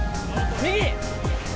右。